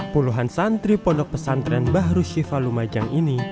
puluhan santri pondok pesantren bahru siva lumajang ini